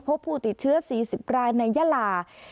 พบผู้ติดเชื้อ๔๐รายในยาลา